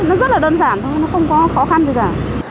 nó rất là đơn giản thôi nó không có khó khăn gì cả